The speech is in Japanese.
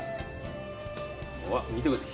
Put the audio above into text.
うわ見てください。